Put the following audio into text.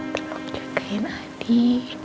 tolong jagain adi